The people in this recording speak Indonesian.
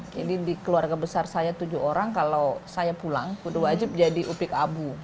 jadi di keluarga besar saya tujuh orang kalau saya pulang udah wajib jadi upik abu